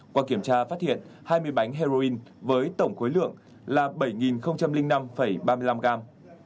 qua kiểm tra phát hiện hai mươi bánh heroin với tổng khối lượng là bảy năm ba mươi năm gram